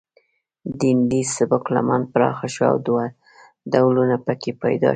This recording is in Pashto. د هندي سبک لمن پراخه شوه او ډولونه پکې پیدا شول